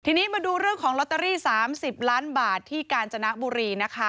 ทีนี้มาดูเรื่องของลอตเตอรี่๓๐ล้านบาทที่กาญจนบุรีนะคะ